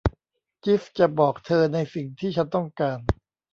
จีฟส์จะบอกเธอในสิ่งที่ฉันต้องการ